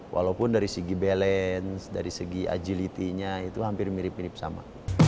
walaupun dari segi balance dari segi agility nya itu hampir mirip mirip sama